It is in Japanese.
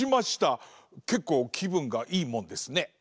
けっこうきぶんがいいもんですね。